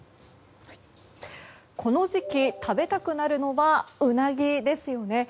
この時期食べたくなるのがウナギですよね。